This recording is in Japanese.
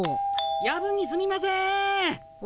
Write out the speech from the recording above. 夜分にすみません！